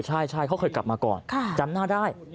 ใช่เขาเคยกลับมาก่อนจำหน้าได้